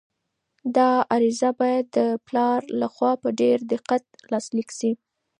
دا عریضه باید د پلار لخوا په ډېر دقت لاسلیک شي.